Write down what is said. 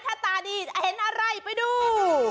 ถ้าตาดีจะเห็นอะไรไปดู